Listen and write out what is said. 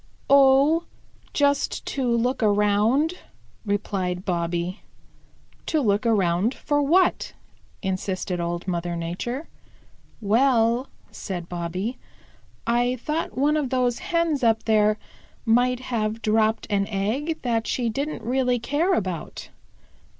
"Oh, just to look around," replied Bobby. "To look around for what?" insisted Old Mother Nature. "Well," said Bobby, "I thought one of those Hens up there might have dropped an egg that she didn't really care about."